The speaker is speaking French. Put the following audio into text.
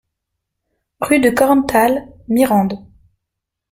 Rue de Korntal, Mirande